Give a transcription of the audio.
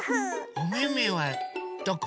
おめめはどこ？